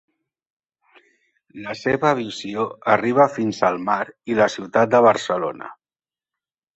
La seva visió arriba fins al mar i la ciutat de Barcelona.